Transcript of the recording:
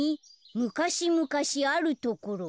「むかしむかしあるところ。